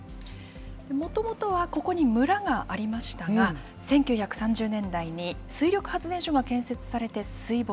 もともとは、ここに村がありましたが、１９３０年代に水力発電所が建設されて水没。